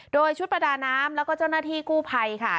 โดยชุดประดาน้ำแล้วก็เจ้าหน้าที่กู้ภัยค่ะ